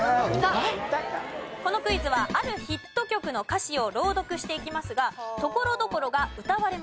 このクイズはあるヒット曲の歌詞を朗読していきますがところどころが歌われます。